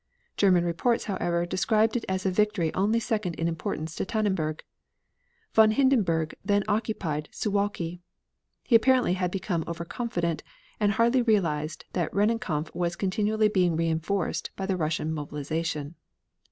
German reports, however, described it as a victory only second in importance to Tannenberg. Von Hindenburg then occupied Suwalki. He apparently had become over confident, and hardly realized that Rennenkampf was continually being reinforced by the Russian mobilization.